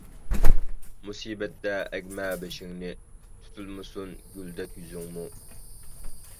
مۇسىبەتتە ئەگمە بېشىڭنى، تۇتۇلمىسۇن گۈلدەك يۈزۈڭمۇ.